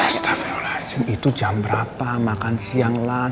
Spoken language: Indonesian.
astagfirullahaladzim itu jam berapa makan siang lan